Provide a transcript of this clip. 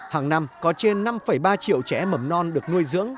hàng năm có trên năm ba triệu trẻ mầm non được nuôi dưỡng